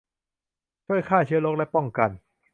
ช่วยฆ่าเชื้อโรคและป้องกัน